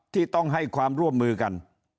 ที่ต้องให้ความร่วมมือกัน